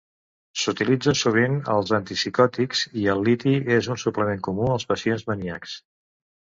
S'utilitzen sovint els antipsicòtics, i el liti és un suplement comú als pacients maníacs.